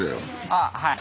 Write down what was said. あっはい。